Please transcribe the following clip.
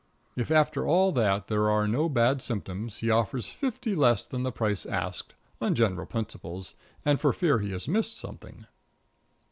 If after all that there are no bad symptoms, he offers fifty less than the price asked, on general principles, and for fear he has missed something.